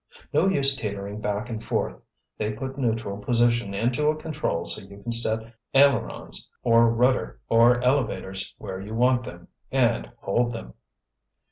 No use teetering back and forth. They put neutral position into a control so you can set ailerons or rudder or elevators where you want them and hold them."